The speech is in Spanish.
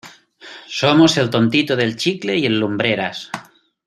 somos el tontito del chicle y el lumbreras.